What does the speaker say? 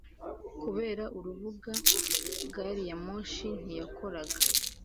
Kubera urubura, gari ya moshi ntiyakoraga.